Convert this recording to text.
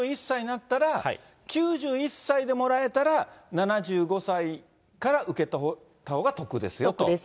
９１歳になったら、９１歳でもらえたら、７５歳から受け取ったほうが得ですよと。